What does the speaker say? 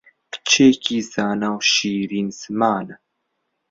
کچێکی زانا و شیرین زمانە